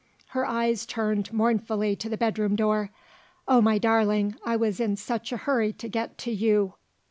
Her eyes turned mournfully to the bedroom door. "Oh, my darling, I was in such a hurry to get to You!"